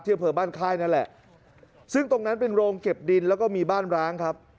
อำเภอบ้านค่ายนั่นแหละซึ่งตรงนั้นเป็นโรงเก็บดินแล้วก็มีบ้านร้างครับ